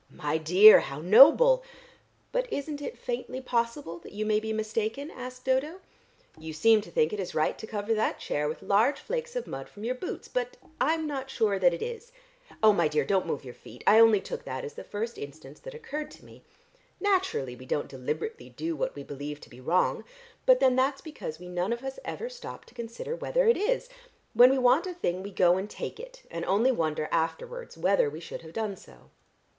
"My dear, how noble! But isn't it faintly possible that you may be mistaken?" asked Dodo. "You seem to think it right to cover that chair with large flakes of mud from your boots, but I'm not sure that it is. Oh, my dear, don't move your feet; I only took that as the first instance that occurred to me. Naturally, we don't deliberately do what we believe to be wrong, but then that's because we none of us ever stop to consider whether it is. When we want a thing we go and take it, and only wonder afterwards whether we should have done so."